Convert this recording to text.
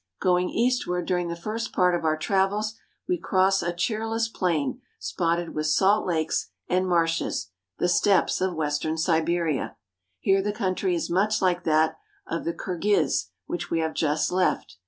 Going eastward during the first part of our travels, we cross a cheerless plain spotted with salt lakes and marshes, the Steppes of western Siberia. Here the country is much like that of the Kirghiz which we have just left.